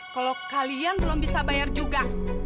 kalau kalian belum bisa bayar juga